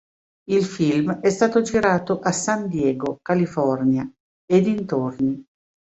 Il film è stato girato a San Diego, California e dintorni.